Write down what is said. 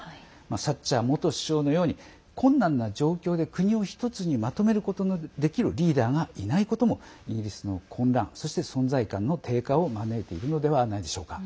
サッチャー元首相のように困難な状況で国を１つにまとめることのできるリーダーがいないこともイギリスの混乱そして存在感の低下を招いているのではないでしょうか。